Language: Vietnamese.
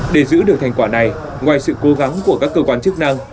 để giữ được thành quả này ngoài sự cố gắng của các cơ quan chức năng